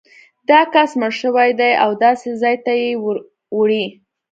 دا کس مړ شوی دی او داسې ځای ته یې وړي.